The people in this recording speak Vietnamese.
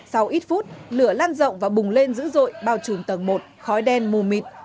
sau ít phút lửa lan rộng và bùng lên dữ dội bao trùm tầng một khói đen mù mịt